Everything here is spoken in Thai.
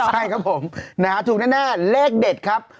ใช่ครับผมนะฮะถูกแน่เลขเด็ดครับ